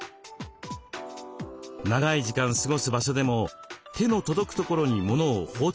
長い時間過ごす場所でも手の届くところに物を放置しがちに。